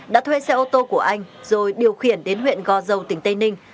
đã thuê xe ô tô của anh rồi điều khiển đến huyện go dâu tỉnh tây ninh